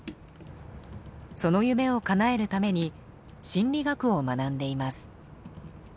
その夢をかなえるために心理学を学んでいます。